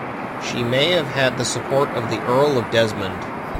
She may have had the support of the Earl of Desmond.